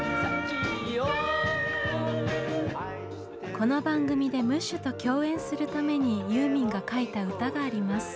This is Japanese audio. この番組でムッシュと共演するためにユーミンが書いた歌があります。